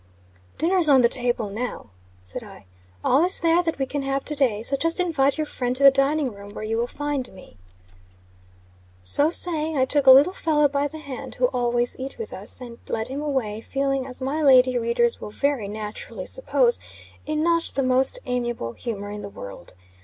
"Dinner's on the table now," said I. "All is there that we can have to day. So just invite your friend to the dining room, where you will find me." So saying, I took a little fellow by the hand, who always eat with us, and led him away, feeling, as my lady readers will very naturally suppose, in not the most amiable humor in the world.